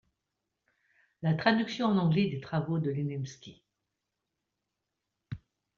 La traduction en anglais des travaux de Lesniewski.